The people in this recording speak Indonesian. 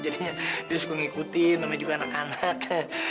jadinya dia suka ngikutin namanya juga anak anak